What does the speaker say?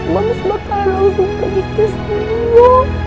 mams bakalan langsung pergi ke studio